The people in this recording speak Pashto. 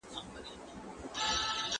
تاسو په وطن کي کوم بدلون لیدل غواړئ؟